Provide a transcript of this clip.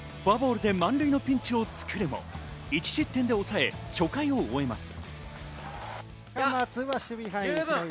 冒頭で１点失い、その後フォアボールで満塁のピンチを作るも、１失点で抑え、初回を終えます。